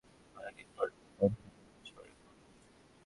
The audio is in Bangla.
অনেক দিন পরে তাঁর কণ্ঠে আনন্দ ঝরে পড়ল।